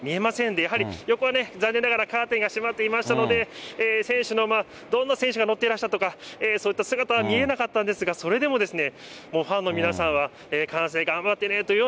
で、やはり横は残念ながらカーテンがしまっていましたので、選手の、どんな選手が乗ってらっしゃるとか、そんな姿は見えなかったんですが、それでもですね、もうファンの皆さんは歓声が、頑張ってねという